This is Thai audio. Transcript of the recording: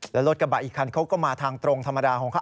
แล้วรถกระบะอีกคันเขาก็มาทางตรงธรรมดาของเขา